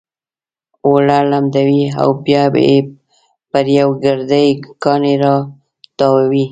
اوړه لمدوي او بيا يې پر يو ګردي کاڼي را تاووي.